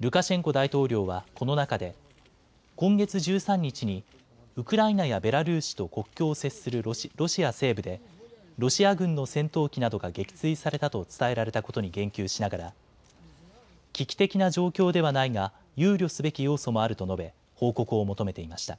ルカシェンコ大統領はこの中で今月１３日にウクライナやベラルーシと国境を接するロシア西部でロシア軍の戦闘機などが撃墜されたと伝えられたことに言及しながら危機的な状況ではないが憂慮すべき要素もあると述べ報告を求めていました。